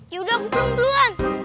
yaudah aku pulang duluan